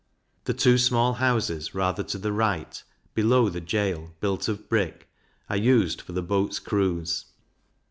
The two small Houses, rather to the right, below the Gaol, built of brick, are used for the boats' crews.